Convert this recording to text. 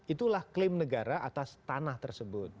itulah klaim negara atas tanah tersebut